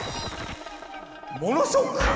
モノショック！